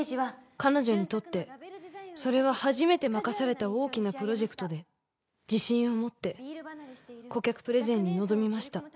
彼女にとってそれは初めて任された大きなプロジェクトで自信を持って顧客プレゼンに臨みました。